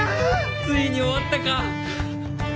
ついに終わったか！